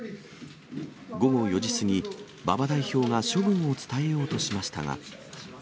午後４時過ぎ、馬場代表が処分を伝えようとしましたが。